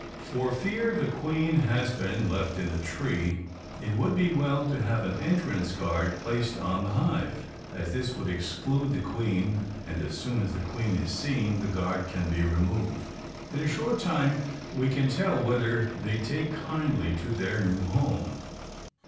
For fear the queen has been left in the tree it would be well to have an entrance guard placed on the hive, as this would exclude the queen and as soon as the queen is seen the guard can be removed. In a short time we can tell whether they take kindly to their new home.